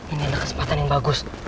ini adalah kesempatan yang bagus